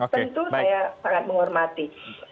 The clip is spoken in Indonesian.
tentu saya sangat menghormati